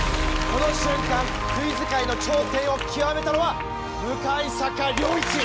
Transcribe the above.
この瞬間クイズ界の頂点を極めたのは向坂亮一！